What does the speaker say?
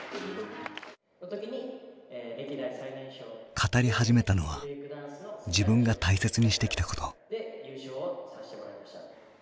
語り始めたのは自分が大切にしてきたこと。